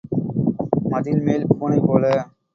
மதில்மேல் பூனைபோல.